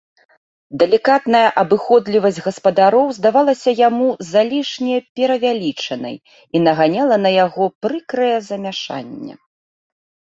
Далікатная абыходлівасць гаспадароў здавалася яму залішне перавялічанай і наганяла на яго прыкрае замяшанне.